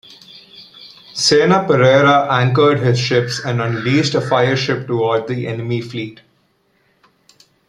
Sena Pereira anchored his ships and unleashed a fire ship toward the enemy fleet.